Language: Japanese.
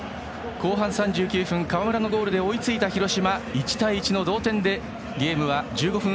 後半３９分、川村のゴールで追いついた広島１対１の同点でゲームは１５分